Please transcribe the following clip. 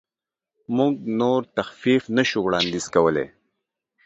موږ نور تخفیف نشو وړاندیز کولی.